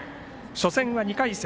初戦は２回戦